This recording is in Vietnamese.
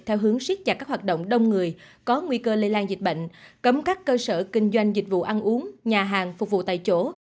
theo hướng siết chặt các hoạt động đông người có nguy cơ lây lan dịch bệnh cấm các cơ sở kinh doanh dịch vụ ăn uống nhà hàng phục vụ tại chỗ